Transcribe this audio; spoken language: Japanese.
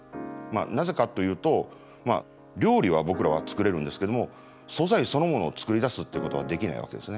なぜかというと料理は僕らは作れるんですけども素材そのものを作り出すっていうことはできないわけですね。